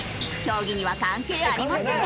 競技には関係ありません。